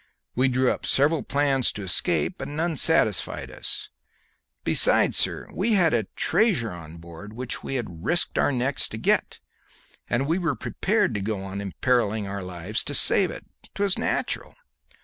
We drew up several plans to escape, but none satisfied us. Besides, sir, we had a treasure on board which we had risked our necks to get, and we were prepared to go on imperilling our lives to save it. 'Twas natural.